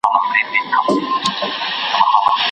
سیسټم د هماغو لارښوونو پر بنسټ کار کوي.